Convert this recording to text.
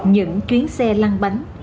những chuyến xe lăn bánh